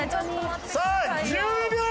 さあ１０秒前！